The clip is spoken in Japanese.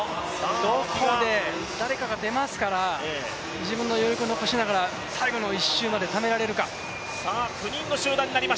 どこかで誰かが出ますから、自分の余力を残しながら最後の１周までためられるか。